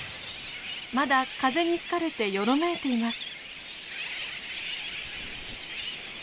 まだ風に吹かれてよろめいています。